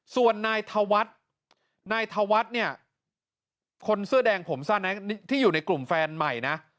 ส่วนนายธวัฒน์นายธวัฒน์เนี่ยคนเสื้อแดงผมสั้นที่อยู่ในกลุ่มแฟนใหม่นะ